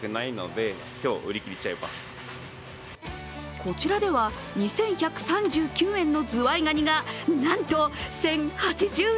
こちらでは２１３９円のズワイガニがなんと１０８０円。